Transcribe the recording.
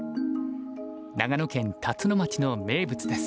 長野県辰野町の名物です。